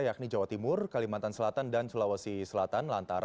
yakni jawa timur kalimantan selatan dan sulawesi selatan